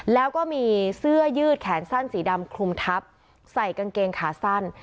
แล้วก็มีเสื้อยืดแขนสั้นสีดำคลุมทับใส่กางเกงขาสั้น